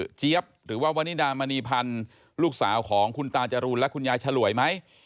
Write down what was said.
เจี๊ยบหรือว่าวนิดามณีพันธ์ลูกสาวของคุณตาจรูนและคุณยายฉลวยไหม